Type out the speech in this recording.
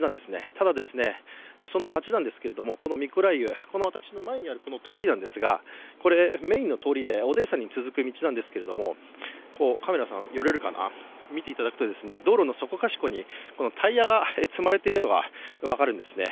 ただ、その町ですがミコライウ、私の前にある通りなんですが、メインの通りでオデーサに続く道なんですけど、見ていただくと道路のそこかしこにタイヤが積まれているのが分かるんですね